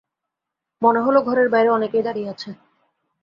মনে হল ঘরের বাইরে অনেকেই দাঁড়িয়ে আছে।